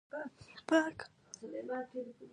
حکومت پرته له ملي سرحدونو نشي ژوندی پاتې کېدای.